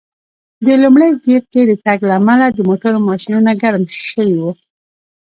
په لومړي ګېر کې د تګ له امله د موټرو ماشینونه ګرم شوي و.